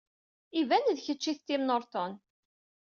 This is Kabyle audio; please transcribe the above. Iban d kecc ay d Tim Norton.